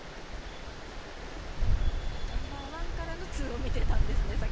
ナンバーワンからのツーを見ていたんですね。